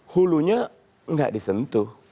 hulunya nggak disentuh